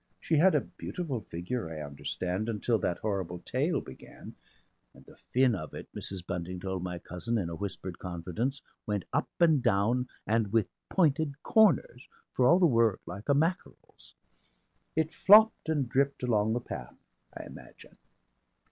She had a beautiful figure, I understand, until that horrible tail began (and the fin of it, Mrs. Bunting told my cousin in a whispered confidence, went up and down and with pointed corners for all the world like a mackerel's). It flopped and dripped along the path I imagine.